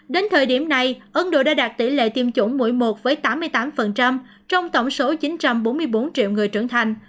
đến thời điểm này ấn độ đã đạt tỷ lệ tiêm chủng mũi một với tám mươi tám trong tổng số chín trăm bốn mươi bốn triệu người trưởng thành